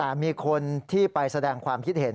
แต่มีคนที่ไปแสดงความคิดเห็น